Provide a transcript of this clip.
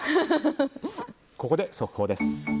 ここで速報です。